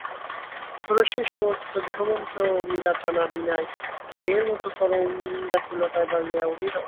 ষোড়শীর সমস্ত দেহতন্তু মীড়াটানা বীণার তারের মতো চরম ব্যকুলতায় বাজিয়া উঠিল।